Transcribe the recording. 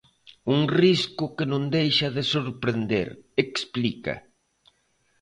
"Un risco que non deixa de sorprender", explica.